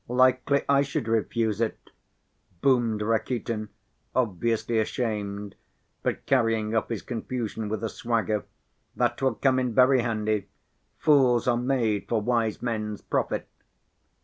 "Likely I should refuse it," boomed Rakitin, obviously abashed, but carrying off his confusion with a swagger. "That will come in very handy; fools are made for wise men's profit."